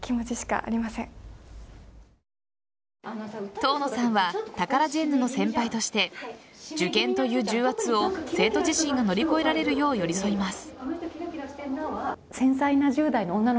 遠野さんはタカラジェンヌの先輩として受験という重圧を生徒自身が乗り越えられるよう寄り添います。